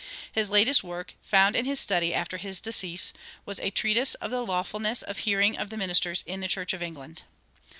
"[85:1] His latest work, "found in his studie after his decease," was "A Treatise of the Lawfulness of Hearing of the Ministers in the Church of England."